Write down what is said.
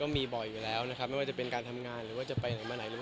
มีบ่อยอยู่แล้วนะครับไม่ว่าจะเป็นการทำงานหรือว่าจะไปไหนมาไหน